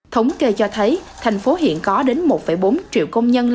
thống kê cho thấy thành phố hiện có đến một bốn triệu